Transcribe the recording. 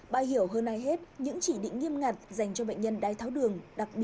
bà hiểu hơn ai hết những chỉ định nghiêm ngặt dành cho bệnh nhân đai tháo đường